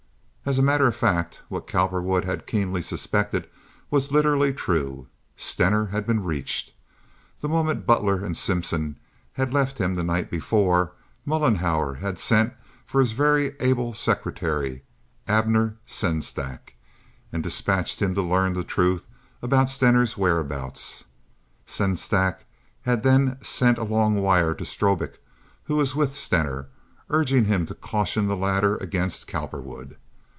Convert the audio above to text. As a matter of fact, what Cowperwood had keenly suspected was literally true. Stener had been reached. The moment Butler and Simpson had left him the night before, Mollenhauer had sent for his very able secretary, Abner Sengstack, and despatched him to learn the truth about Stener's whereabouts. Sengstack had then sent a long wire to Strobik, who was with Stener, urging him to caution the latter against Cowperwood.